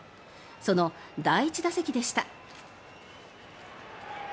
その第１打席でした。